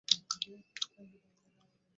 এই অভিযানের নাম দেওয়া হয়েছিল অপারেশন দ্বারকা।